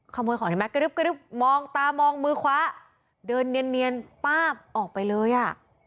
ขโมยของแม็ดส์มองตามองมือขวะเดินเนียนป้าออกไปเลยอ่ะ